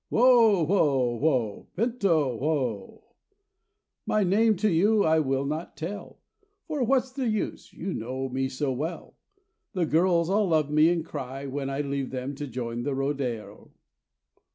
Whoa! Whoa! Whoa! Pinto, whoa! My name to you I will not tell; For what's the use, you know me so well. The girls all love me, and cry When I leave them to join the rodero.